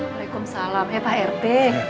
waalaikumsalam pak rt